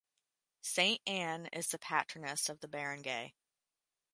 Saint Anne is the patroness of the barangay.